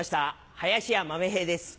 林家まめ平です。